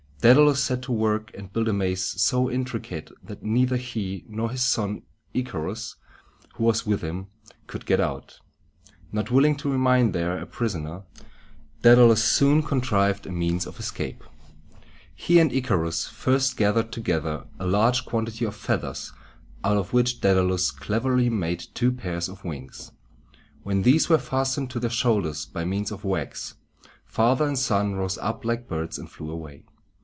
Dædalus set to work and built a maze so intricate that neither he nor his son Ic´a rus, who was with him, could get out. Not willing to remain there a prisoner, Dædalus soon contrived a means of escape. [Illustration: Dædalus and Icarus.] He and Icarus first gathered together a large quantity of feathers, out of which Dædalus cleverly made two pairs of wings. When these were fastened to their shoulders by means of wax, father and son rose up like birds and flew away.